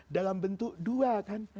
dalam bentuk dua